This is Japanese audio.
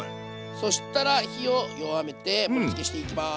そしたら火を弱めて盛りつけしていきます。